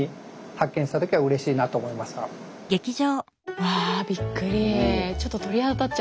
うわびっくり。